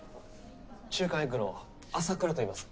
週刊エッグの浅倉といいます。